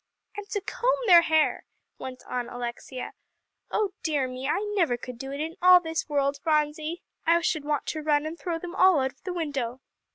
"And to comb their hair!" went on Alexia, "Oh dear me! I never could do it in all this world, Phronsie. I should want to run and throw them all out of the window."